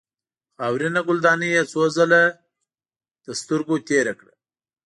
خاورینه ګلدانۍ یې څو ځله له سترګو تېره کړه.